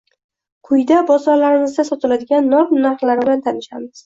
Quyida bozorlarimizda sotiladigan non narxlari bilan tanishasiz: